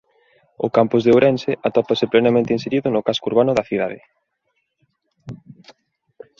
O Campus de Ourense atópase plenamente inserido no casco urbano da cidade.